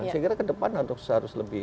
saya kira ke depan harus lebih